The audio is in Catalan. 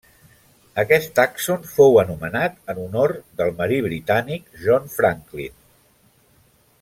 Aquest tàxon fou anomenat en honor del marí britànic John Franklin.